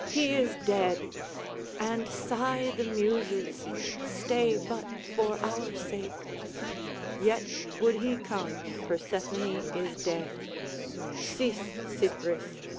He is dead!" And sigh the Muses, "Stay but for our sake!" Yet would he come, Persephone is dead; Cease, Cypris!